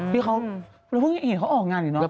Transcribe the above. พี่เขาเห็นเขาออกงานหรือเปล่า